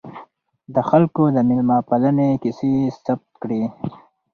د خلکو د میلمه پالنې کیسې یې ثبت کړې.